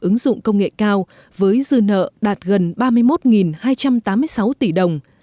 ứng dụng công nghệ cao với dư nợ đạt gần ba mươi một hai trăm tám mươi sáu tỷ đồng